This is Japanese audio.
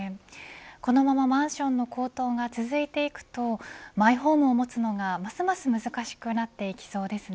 このままマンションの高騰が続いていくとマイホームを持つのがますます難しくなっていきそうですね。